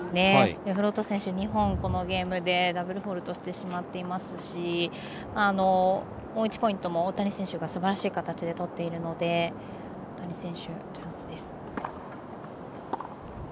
デフロート選手２本、このゲームでダブルフォールトしてしまっていますしもう１ポイントも大谷選手がすばらしい形で取っているので大谷選手、チャンスです。